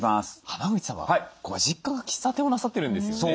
濱口さんはご実家が喫茶店をなさってるんですよね。